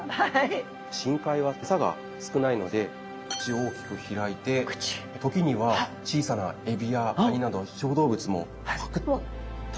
深海はエサが少ないので口を大きく開いて時には小さなエビやカニなど小動物もパクっと食べてしまうような。